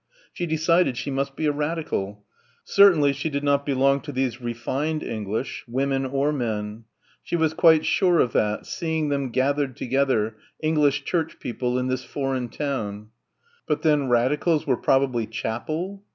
She decided she must be a Radical. Certainly she did not belong to these "refined" English women or men. She was quite sure of that, seeing them gathered together, English Church people in this foreign town. But then Radicals were probably chapel?